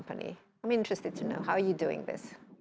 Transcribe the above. saya ingin tahu bagaimana kamu melakukan ini